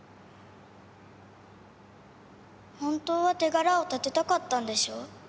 本当は手柄を立てたかったんでしょ。